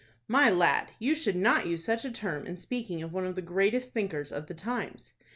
"My lad, you should not use such a term in speaking of one of the greatest thinkers of the times."